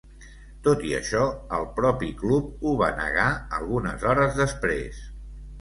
Tot i això, el propi club ho va negar algunes hores després.